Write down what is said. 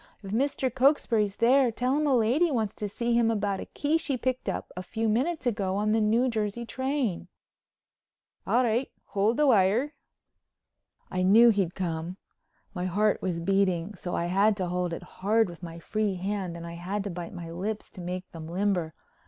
If Mr. Cokesbury's there tell him a lady wants to see him about a key she picked up a few minutes ago on the New Jersey train." "All right. Hold the wire." I knew he'd come. My heart was beating so I had to hold it hard with my free hand and I had to bite my lips to make them limber.